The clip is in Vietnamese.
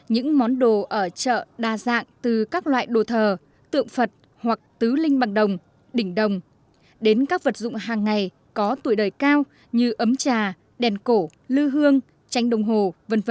những món đồ ở chợ đa dạng từ các loại đồ thờ tượng phật hoặc tứ linh bằng đồng đỉnh đồng đến các vật dụng hàng ngày có tuổi đời cao như ấm trà đèn cổ lư hương tranh đồng hồ v v